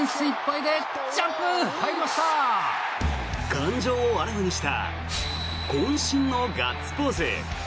感情をあらわにしたこん身のガッツポーズ。